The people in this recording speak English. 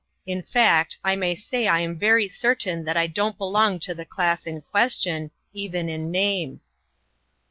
In fact, I may say I am very certain that I don't belong to the class in question, even in name."